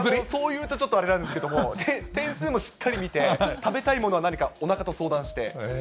そういうとちょっとあれなんですけども、点数もしっかり見て、食べたいものは何か、おなかと相談して。